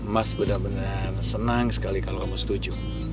mas benar benar senang sekali kalau aku setuju